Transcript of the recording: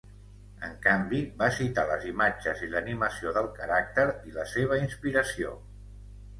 En canvi, va citar les imatges i l'animació del caràcter i la seva inspiració.